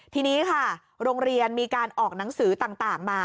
ทีนี้ค่ะโรงเรียนมีการออกหนังสือต่างมา